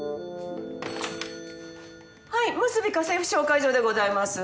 はいむすび家政婦紹介所でございます。